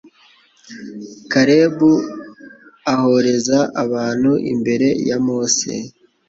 kalebu ahoreza abantu imbere ya mose